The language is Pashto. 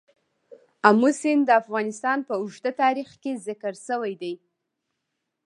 آمو سیند د افغانستان په اوږده تاریخ کې ذکر شوی دی.